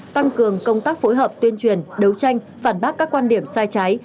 tăng cường công tác phối hợp tuyên truyền đấu tranh phản bác các quan điểm sai trái